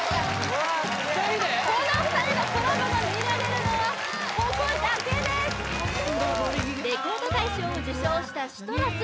この２人のコラボが見られるのはここだけですレコード大賞を受賞した「ＣＩＴＲＵＳ」